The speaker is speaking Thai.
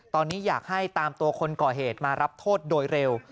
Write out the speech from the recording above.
ตอนนี้อยากให้ตามตัวคนก่อเหตุมารับโทษโดยเร็ว